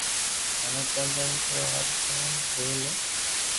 مني ڪون تنگ ڪريئا ھارون نوم لئي لي